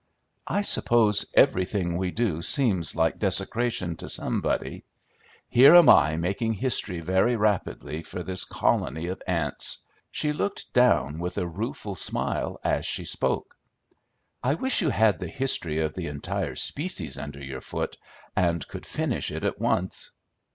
"I suppose everything we do seems like desecration to somebody. Here am I making history very rapidly for this colony of ants." She looked down with a rueful smile as she spoke. "I wish you had the history of the entire species under your foot, and could finish it at once."